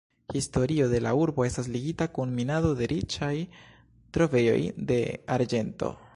Historio de la urbo estas ligita kun minado de riĉaj trovejoj de arĝento.